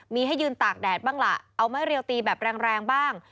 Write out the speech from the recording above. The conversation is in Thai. มีให้ยืนตากแดดบ้างล่ะเอาไม้เรียวตีแบบแรงบ้าง